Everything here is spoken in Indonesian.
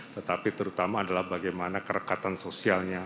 tetapi terutama adalah bagaimana kerekatan sosialnya